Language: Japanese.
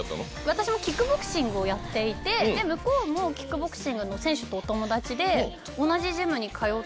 私もキックボクシングをやっていて向こうもキックボクシングの選手とお友達で。